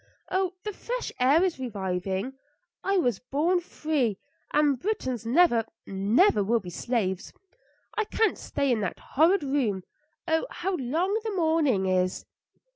Oh, the fresh air is reviving. I was born free, and Britons never, never will be slaves. I can't stay in that horrid room. Oh, how long the morning is!"